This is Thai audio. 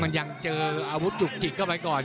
มันยังเจออาวุธจุกจิกเข้าไปก่อน